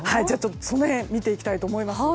その辺を見ていきたいと思います。